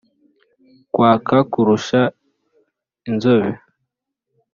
kwaka kurusha inzobe